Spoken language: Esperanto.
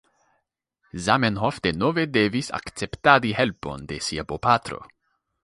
Zamenhof denove devis akceptadi helpon de sia bopatro.